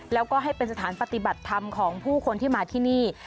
แล้วก็ให้เป็นสถานปฏิบัติธรรมของผู้คนที่มาที่นี่